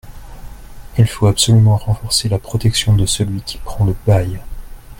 Il faut absolument renforcer la protection de celui qui prend le bail.